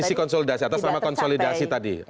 misi konsolidasi atau sama konsolidasi tadi